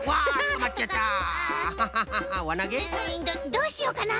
どどうしようかな。